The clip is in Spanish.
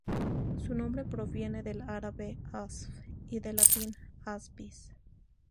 Su nombre proviene del árabe "Asf" y del latín "Aspis".